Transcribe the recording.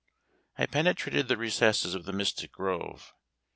I penetrated the recesses of the mystic grove.